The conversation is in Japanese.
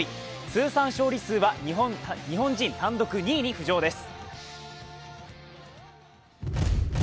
通算勝利数は日本人単独２位に浮上です。